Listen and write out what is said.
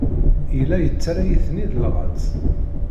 Yella yettaley-ten-id lɣeṭṭ.